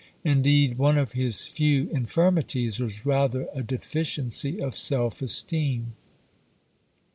Indeed, one of his few infirmities was rather a deficiency of self esteem.